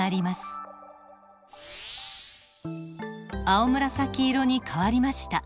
青紫色に変わりました。